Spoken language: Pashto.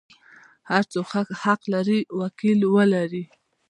هر څوک حق لري وکیل ولري.